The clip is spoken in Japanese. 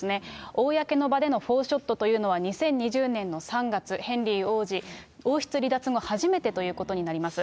公の場でのフォーショットというのは、２０２０年の３月、ヘンリー王子、王室離脱後初めてということになります。